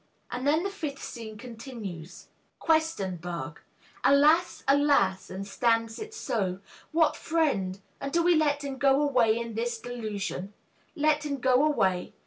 And then the fifth scene continues: Q. Alas! Alas! and stands it so? What friend! and do we let him go away In this delusion let him go away?